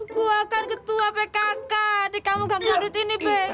gua kan ketua pkk di kamugam kadut ini be